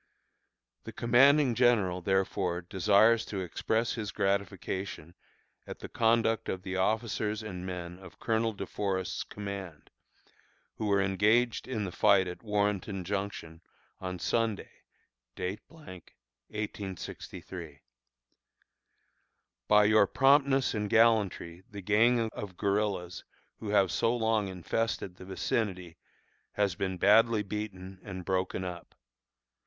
The commanding general, therefore, desires to express his gratification at the conduct of the officers and men of Colonel De Forest's command, who were engaged in the fight at Warrenton Junction, on Sunday, , 1863. By your promptness and gallantry the gang of guerillas who have so long infested the vicinity has been badly beaten and broken up.